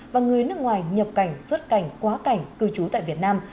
và người nước ngoài nhập cảnh xuất cảnh quá cảnh cư trú tại việt nam